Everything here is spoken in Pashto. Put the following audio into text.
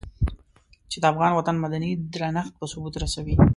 چې د افغان وطن مدني درنښت په ثبوت رسوي.